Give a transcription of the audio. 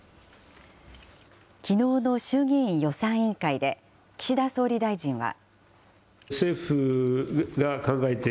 きのうの衆議院予算委員会で、岸田総理大臣は。